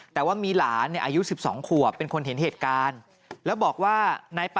แต่ว่ามีหลานอายุ๑๒ขวบเป็นคนเห็นเหตุการณ์